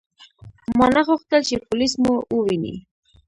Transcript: ما نه غوښتل چې پولیس مو وویني.